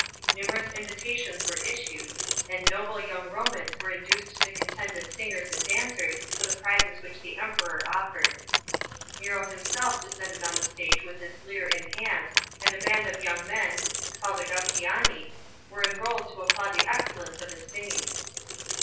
Numerous invitations were issued, and noble young Romans were induced to contend as singers and dancers for the prizes which the Emperor offered. Nero him self descendc d on the stage with his lyre in his hand, and a band of young men, called Augustiani, were enrolled to applaud the excellence of his singing.